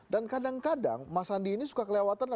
dan kadang kadang mas sandi ini suka kelewatan apa